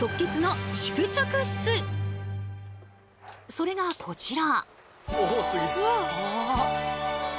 それがこちら。